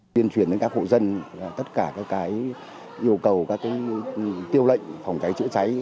tuyên truyền đến các hộ dân tất cả các yêu cầu các tiêu lệnh phòng cháy chữa cháy